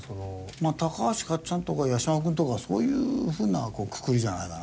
まあ高橋かっちゃんとか八嶋君とかそういうふうなこうくくりじゃないかな？